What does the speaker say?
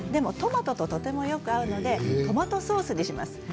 トマトとよく合うのでトマトソースにします。